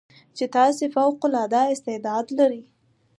چې تاسې فوق العاده استعداد لرٸ